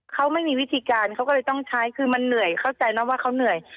เขาไม่มีวิธีการเขาก็เลยต้องใช้คือมันเหนื่อยเข้าใจนะว่าเขาเหนื่อย